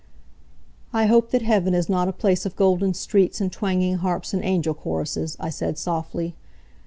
"I hope that heaven is not a place of golden streets, and twanging harps and angel choruses," I said, softly.